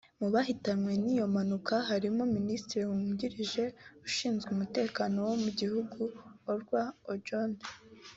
Mu bahitanywe n’iyo mpanuka harimo Minisitiri wungirije ushinzwe umutekano wo mu gihugu Orwa Ojode